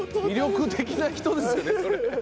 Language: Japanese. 魅力的な人ですよねそれ。